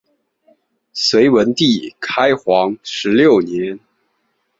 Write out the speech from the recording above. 隋文帝开皇十六年。